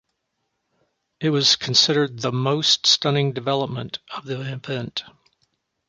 It was considered "the most stunning development" of the event.